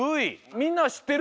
みんなはしってる？